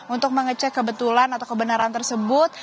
untuk mengecek kebetulan atau kebenaran tersebut